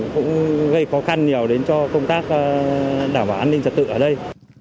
cũng gây khó khăn nhiều đến cho công tác đảm bảo an ninh trật tự ở đây